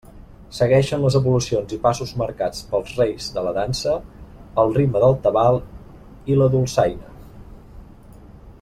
Segueixen les evolucions i passos marcats pels reis de la Dansa, al ritme del tabal i la dolçaina.